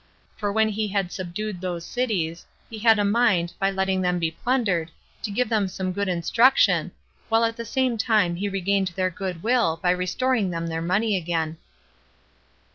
For when he had subdued those cities, he had a mind, by letting them be plundered, to give them some good instruction, while at the same time he regained their good will by restoring them their money again.